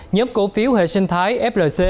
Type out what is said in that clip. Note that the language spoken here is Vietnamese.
nhóm cổ phiếu hệ sinh thái flc